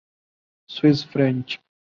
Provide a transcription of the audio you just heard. Swiss French